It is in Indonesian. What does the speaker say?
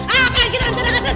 apa yang kita lakukan gak selesai